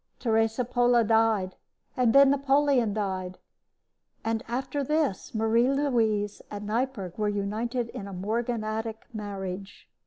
Teresa Pola died, and then Napoleon died, and after this Marie Louise and Neipperg were united in a morganatic marriage.